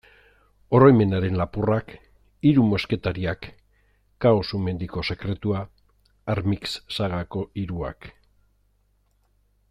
Oroimenaren lapurrak, Hiru mosketariak, Kao-Sumendiko sekretua, Armix sagako hiruak...